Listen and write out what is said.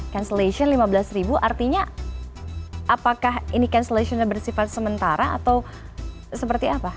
cancellation lima belas ribu artinya apakah ini cancellationnya bersifat sementara atau seperti apa